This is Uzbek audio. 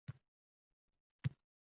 Ayol qiyshiq qovurg‘aga o‘xshaydi.